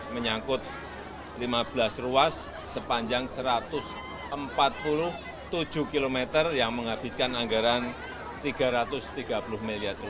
menyangkut lima belas ruas sepanjang satu ratus empat puluh tujuh km yang menghabiskan anggaran rp tiga ratus tiga puluh miliar